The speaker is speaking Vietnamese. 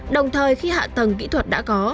đồng thời khi hạ tầng kỹ thuật đã có